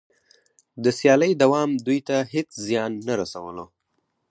د سیالۍ دوام دوی ته هېڅ زیان نه رسولو